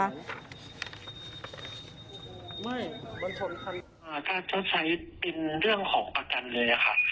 ไม่บนทนคันอ่าถ้าเชิญใช้เป็นเรื่องของประกันเลยอะค่ะ